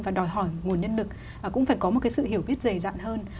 và đòi hỏi nguồn nhân lực cũng phải có một cái sự hiểu biết dày dặn hơn